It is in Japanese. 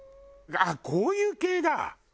ああこういう系だ。